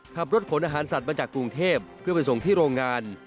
ขับรถขนอาหารสัตว์มาจากกรุงเทพเพื่อไปส่งที่โรงงาน